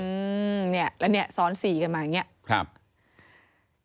แล้วนี่ซ้อน๔กันมาอย่างนี้